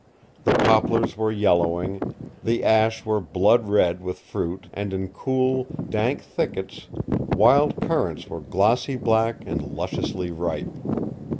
The poplars were yellowing, the ash were blood red with fruit, and in cool, dank thickets wild currants were glossy black and lusciously ripe.